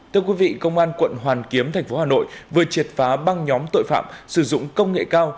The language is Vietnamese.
thưa quý vị công an quận hoàn kiếm thành phố hà nội vừa triệt phá băng nhóm tội phạm sử dụng công nghệ cao